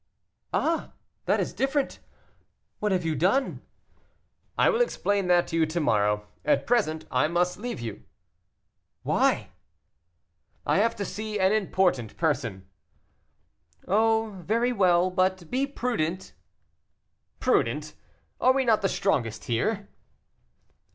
"Ah! that is different. What have you done?" "I will explain that to you to morrow; at present I must leave you." "Why!" "I have to see an important person." "Oh, very well; but be prudent." "Prudent! are we not the strongest here?"